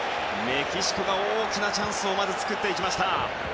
メキシコが大きなチャンスをまず作っていきました。